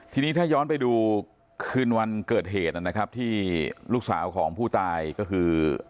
ทีนี้ถ้าย้อนไปดูคืนวันเกิดเหตุนะครับที่ลูกสาวของผู้ตายก็คือ